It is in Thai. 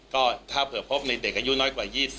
ก็ถ้าเผื่อพบในเด็กอายุน้อยกว่า๒๐